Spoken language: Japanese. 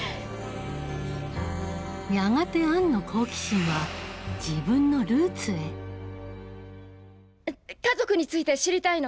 やがてアンの好奇心は自分のルーツへ家族について知りたいの。